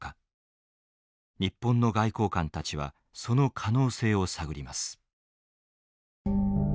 日本の外交官たちはその可能性を探ります。